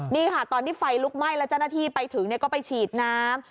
นี่ค่ะตอนที่ไฟลุกไหม้แล้วเจ้าหน้าที่ไปถึงก็ไปฉีดน้ำ